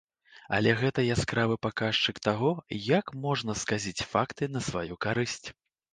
Але гэта яскравы паказчык таго, як можна сказіць факты на сваю карысць.